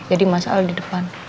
jadi mas al di depan